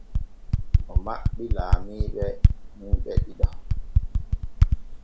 O maɓɓi laamiiɓe hiɓɓe ɗiɗo.